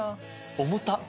重たっ！